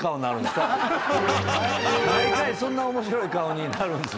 毎回そんな面白い顔になるんですね。